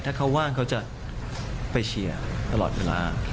ถ้าเขาว่างเขาจะไปเชียร์ตลอดเวลา